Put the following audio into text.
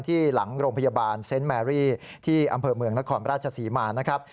ที่หลังโรงพยาบาลเซนต์แมรี่ที่อำเภอเมืองนครราชศรีมานะครับ